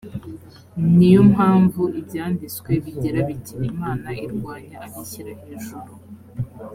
ni yo mpamvu ibyanditswe bigira biti imana irwanya abishyira hejuru